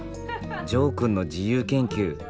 ジョーくんの自由研究